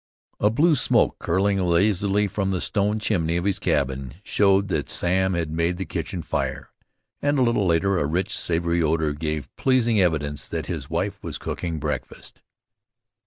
A blue smoke curling lazily from the stone chimney of his cabin, showed that Sam had made the kitchen fire, and a little later a rich, savory odor gave pleasing evidence that his wife was cooking breakfast.